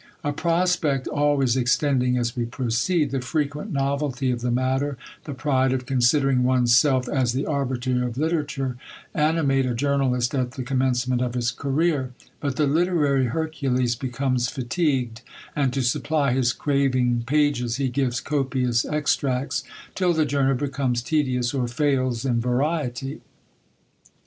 A prospect always extending as we proceed, the frequent novelty of the matter, the pride of considering one's self as the arbiter of literature, animate a journalist at the commencement of his career; but the literary Hercules becomes fatigued; and to supply his craving pages he gives copious extracts, till the journal becomes tedious, or fails in variety.